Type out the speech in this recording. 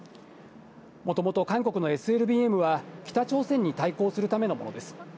もともと韓国のＳＬＢＭは、北朝鮮に対抗するためのものです。